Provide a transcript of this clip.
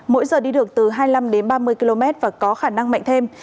mỗi giờ đi được từ hai mươi năm đến ba mươi km và có khả năng mạnh thêm